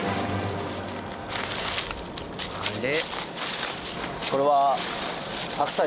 あれ？